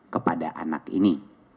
kepada anak ini